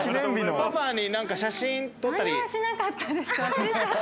パパに写真撮ったり。